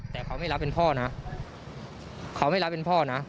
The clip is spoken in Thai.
แต่เขาไม่รับเป็นพ่อนะ